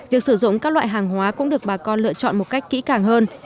việc sử dụng các loại hàng hóa cũng được bà con lựa chọn một cách kỹ càng hơn